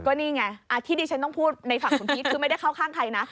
ก็นี่ไงที่ดิฉันต้องพูดในฝั่งคุณพีชคือไม่ได้เข้าข้างใครนะ